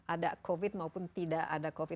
ada covid maupun tidak ada covid